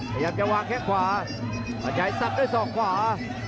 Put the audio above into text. พยายามจะวางแข้งขวาปัจจัยสับด้วยศอกขวา